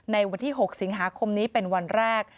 ในวันที่๖สิงหาคมนี้เป็นวันแรก